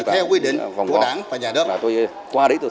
theo quy định của đảng và nhà đất